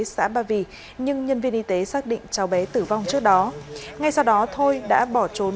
xã ba vì nhưng nhân viên y tế xác định cháu bé tử vong trước đó ngay sau đó thôi đã bỏ trốn